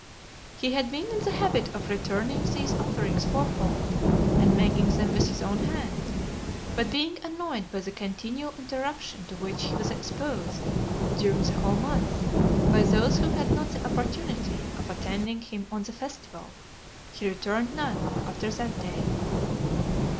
He had been in the habit of returning these offerings four fold, and making them with his own hand; but being annoyed by the continual interruption to which he was exposed during the whole month, by those who had not the opportunity of attending him on the festival, he returned none after that day.